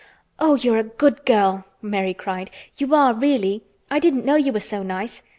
"Oh! you're a good girl!" Mary cried. "You are, really! I didn't know you were so nice.